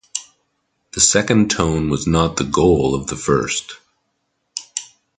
The second tone was not the 'goal' of the first.